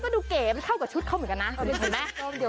ก็ดูเก๋มันเข้ากับชุดเขาเหมือนกันนะเห็นไหม